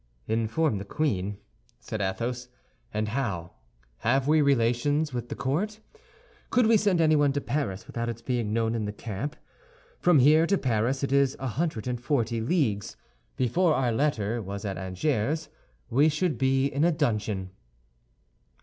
"Inform the queen!" said Athos; "and how? Have we relations with the court? Could we send anyone to Paris without its being known in the camp? From here to Paris it is a hundred and forty leagues; before our letter was at Angers we should be in a dungeon."